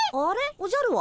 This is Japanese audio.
おじゃるは？